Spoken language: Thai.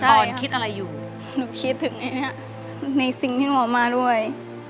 ครั้งกลับมารอที่จักรทานไวน้วย